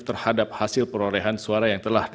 terhadap hasil perolehan suara yang telah